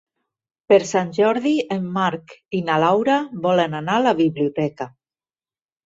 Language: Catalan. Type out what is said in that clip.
Per Sant Jordi en Marc i na Laura volen anar a la biblioteca.